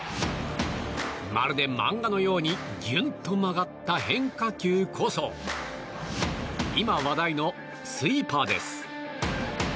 まるで漫画のようにギュンと曲がった変化球こそ今話題のスイーパーです。